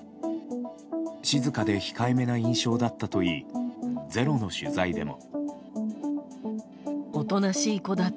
静かで控えめな印象だったといい「ｚｅｒｏ」の取材でも。